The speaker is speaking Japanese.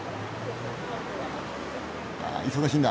あ忙しいんだ。